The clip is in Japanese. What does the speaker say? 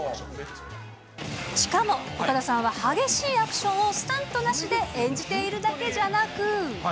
しかも岡田さんは激しいアクションをスタントなしで演じているだけじゃなく。